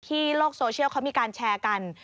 โลกโซเชียลเขามีการแชร์กัน